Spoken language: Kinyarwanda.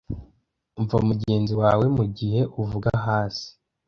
umva mugenzi wawe mugihe uvuga hasi